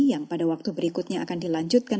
yang pada waktu berikutnya akan dilanjutkan